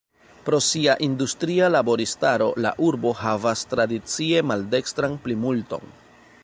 Pro sia industria laboristaro la urbo havas tradicie maldekstran plimulton.